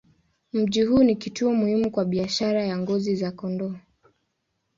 Mji huu ni kituo muhimu kwa biashara ya ngozi za kondoo.